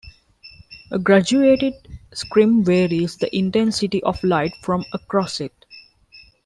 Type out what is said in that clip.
A graduated scrim varies the intensity of light from across it.